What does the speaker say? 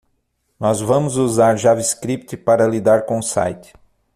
Nós vamos usar JavaScript para lidar com o site.